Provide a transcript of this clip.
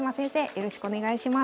よろしくお願いします。